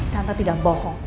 tante tidak bohong